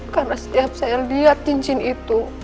karena setiap saya lihat cincin itu